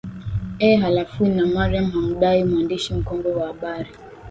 ee halafui nina mariam hamdani mwandishi mkongwe wa habari